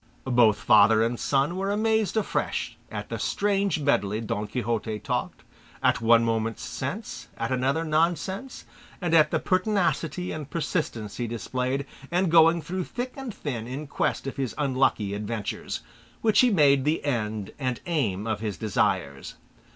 Both father and son were amazed afresh at the strange medley Don Quixote talked, at one moment sense, at another nonsense, and at the pertinacity and persistence he displayed in going through thick and thin in quest of his unlucky adventures, which he made the end and aim of his desires.